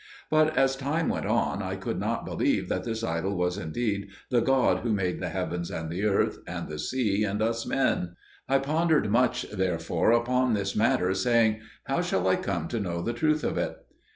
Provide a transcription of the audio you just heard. But as time went on, I could not believe that this idol was indeed the God who made the heavens, and the earth, and the sea, and us men. I pondered much, therefore, upon this matter, saying, "How shall I come to know the truth of it?"